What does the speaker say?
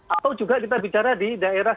atau juga kita bicara di daerah